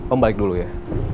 om balik dulu ya